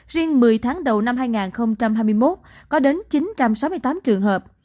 riêng một mươi tháng đầu năm hai nghìn hai mươi một có đến chín trăm sáu mươi tám trường hợp